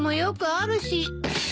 あ。